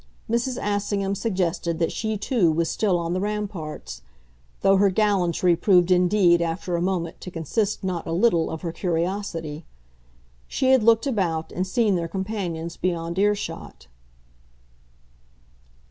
Mrs. Assingham suggested that she too was still on the ramparts though her gallantry proved indeed after a moment to consist not a little of her curiosity. She had looked about and seen their companions beyond earshot.